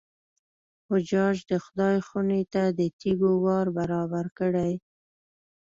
حجاج د خدای خونې ته د تېږو وار برابر کړی.